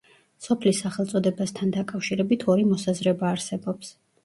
სოფლის სახელწოდებასთან დაკავშირებით ორი მოსაზრება არსებობს.